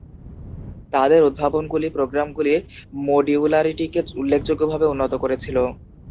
তাদের উদ্ভাবনগুলি প্রোগ্রামগুলির মডিউলারিটিকে উল্লেখযোগ্যভাবে উন্নত করেছিল।